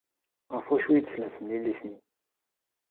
Ɣef wacu i d-tella temlilit-nni?